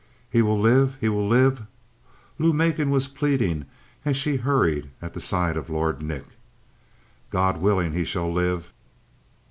"He will live? He will live?" Lou Macon was pleading as she hurried at the side of Lord Nick. "God willing, he shall live!"